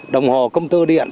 đồng hồ công tơ điện